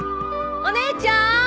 お姉ちゃーん！